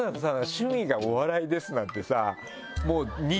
「趣味がお笑いです」なんてさ。